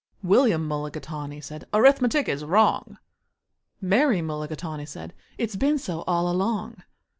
William Mulligatawny said, "Arithmetic is wrong." Mary Mulligatawny said, "It's been so all along."